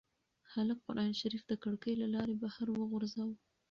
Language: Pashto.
هلک قرانشریف د کړکۍ له لارې بهر وغورځاوه.